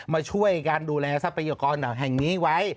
มาช่วยการดูแลทรัพยากรแห่งนี้ไว้